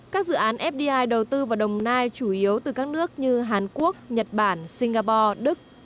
các dự án fdi đầu tư vào đồng nai chủ yếu từ các nước như hàn quốc nhật bản singapore đức